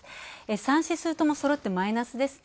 ３指数ともそろってマイナスですね。